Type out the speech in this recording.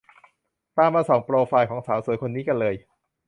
ตามมาส่องโปรไฟล์ของสาวสวยคนนี้กันเลย